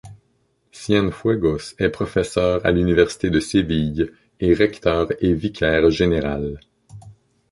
Cienfuegos est professeur à l'université de Séville et recteur et vicaire général.